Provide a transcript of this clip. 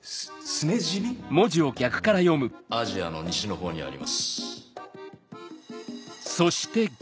アジアの西のほうにあります。